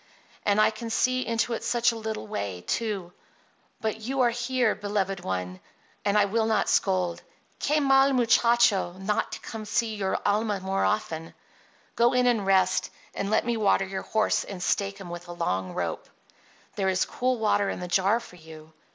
And I can see into it such a little way, too. But you are here, beloved one, and I will not scold. Que mal muchacho! not to come to see your alma more often. Go in and rest, and let me water your horse and stake him with the long rope. There is cool water in the jar for you."